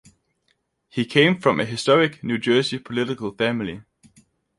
He came from a historic New Jersey political family.